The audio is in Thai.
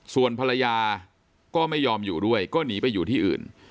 ส่วนภรรยาก็ไม่ยอมอยู่ด้วยก็หนีไปอยู่ที่อื่น